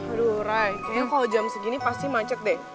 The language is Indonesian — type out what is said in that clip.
aduh ray kayaknya kalau jam segini pasti macek deh